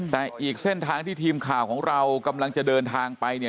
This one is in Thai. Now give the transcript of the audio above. แต่อีกเส้นทางที่ทีมข่าวของเรากำลังจะเดินทางไปเนี่ย